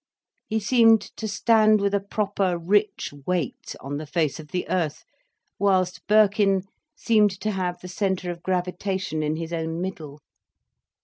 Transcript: He seemed to stand with a proper, rich weight on the face of the earth, whilst Birkin seemed to have the centre of gravitation in his own middle.